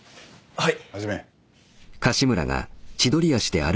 はい。